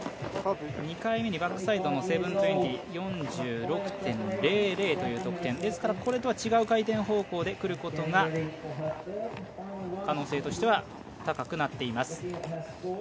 ２回目にバックサイドの７２０４６．００という得点ですからこれとは違う回転方向でくることが可能性としては高くなっています。